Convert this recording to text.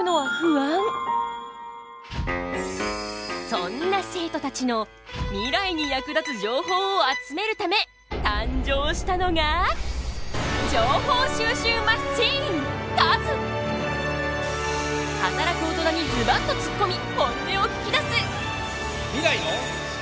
そんな生徒たちのミライに役立つ情報を集めるため誕生したのが働く大人にズバッとつっこみ本音を聞きだす！